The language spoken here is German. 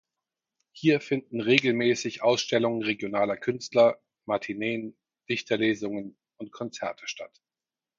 Hier finden regelmäßig Ausstellungen regionaler Künstler, Matineen, Dichterlesungen und Konzerte statt.